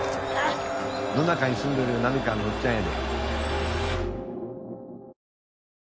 野中に住んどる波川のおっちゃんやで。